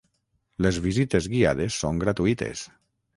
Les visites guiades són gratuïtes.